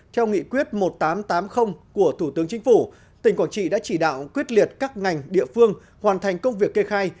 tỉnh quảng trị đã chỉ đạo quyết liệt các ngành địa phương hoàn thành công việc kê khai